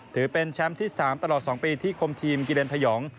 ถือเป็นแชมป์ที่๓ตลอด๒ปีที่คมทีมกิเลนพยอง